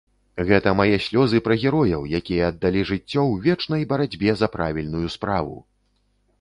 Гэта мае слёзы пра герояў, якія аддалі жыццё ў вечнай барацьбе за правільную справу!